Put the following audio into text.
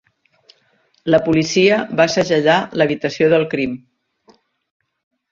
La policia va segellar l'habitació del crim.